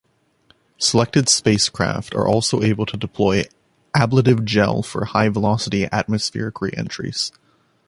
Selected spacecraft are also able to deploy ablative gel for high-velocity atmospheric reentries.